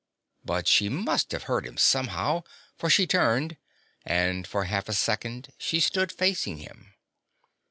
But she must have heard him somehow, for she turned, and for half a second she stood facing him.